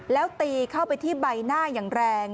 แล้วตีเข้าไปที่ใบหน้าอย่างแรง